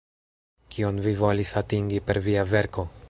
Kion vi volis atingi per via verko?